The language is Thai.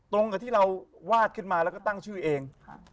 ตรงกับที่เราวาดขึ้นมาแล้วก็ตั้งชื่อเอง